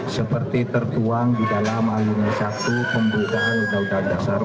seperti tertuang di dalam alunia satu pembukaan udara dasar